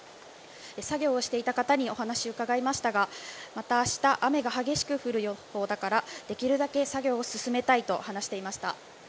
作業をしていた方にお話を伺いましたがまた、明日雨が激しく降る予報だからできるだけ作業を進めたいと話していました。